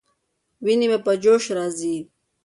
ويني په جوش راځي.